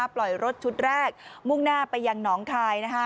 ปล่อยรถชุดแรกมุ่งหน้าไปยังหนองคาย